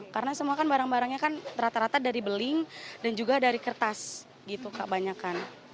karena semua kan barang barangnya kan rata rata dari beling dan juga dari kertas gitu kak banyak kan